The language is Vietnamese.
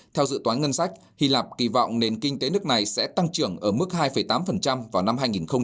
theo dự toán ngân sách hy lạp kỳ vọng nền kinh tế nước này sẽ tăng trưởng ở mức hai tám vào năm hai nghìn hai mươi